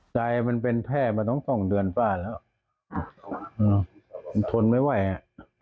จ่ายมันเป็นแพร่มาตั้ง๒เดือนป่าแล้วทนไม่ไหวอ่ะ